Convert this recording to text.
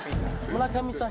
村上さん